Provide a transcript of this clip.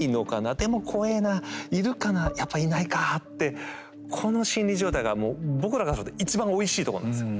でも怖えないるかなやっぱいないかってこの心理状態がもう僕らが一番おいしいとこなんですよ。